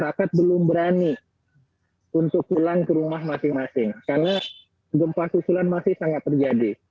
jadi kita harus berani untuk pulang ke rumah masing masing karena gempa susulan masih sangat terjadi